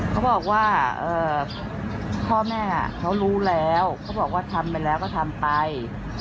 เขาบอกว่าพ่อแม่เขารู้แล้วเขาบอกว่าทำไปแล้วก็ทำไป